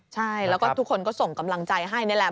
ใช่แล้วก็ทุกคนก็ส่งกำลังใจให้นี่แหละ